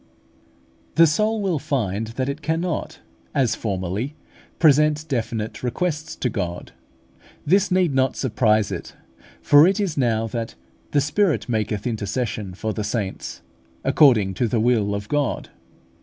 The soul will find that it cannot, as formerly, present definite requests to God. This need not surprise it, for it is now that "the Spirit maketh intercession for the saints, according to the will of God.